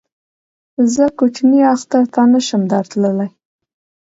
زه کوچني اختر ته نه شم در تللی